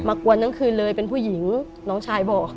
กวนทั้งคืนเลยเป็นผู้หญิงน้องชายบอกค่ะ